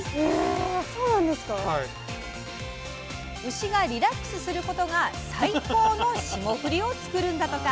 牛がリラックスすることが最高の霜降りを作るんだとか。